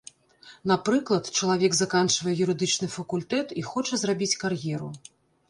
Напрыклад, чалавек заканчвае юрыдычны факультэт і хоча зрабіць кар'еру.